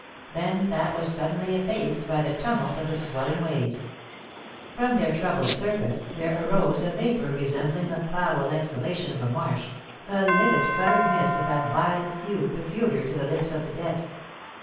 Then that was suddenly effaced by the tumult of the swelling waves. From their troubled surface there arose a vapour resembling the foul exhalation of a marsh, a livid coloured mist of that violet hue peculiar to the lips of the dead.